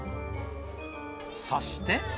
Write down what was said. そして。